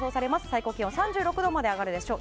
最高気温３６度まで上がるでしょう。